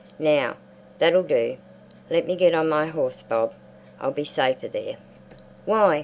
Now, that'll do. Let me get on my horse, Bob. I'll be safer there." "Why?"